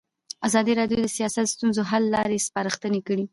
ازادي راډیو د سیاست د ستونزو حل لارې سپارښتنې کړي.